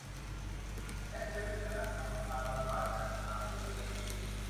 และช่วยเหลือคณะกรรมการประสานงานทหาร-พลเรือนนี้